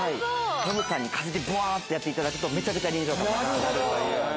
ノブさんに風でぶわーっとやっていただくと、めちゃくちゃ臨場感が上がるというような。